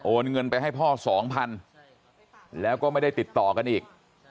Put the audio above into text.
เงินไปให้พ่อสองพันแล้วก็ไม่ได้ติดต่อกันอีก